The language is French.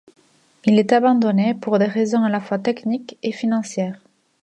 Il est abandonné pour des raisons à la fois techniques et financières.